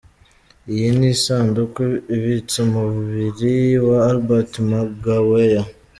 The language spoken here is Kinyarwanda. Iyi ni isanduku ibitse umubiri wa Albert Mangwair.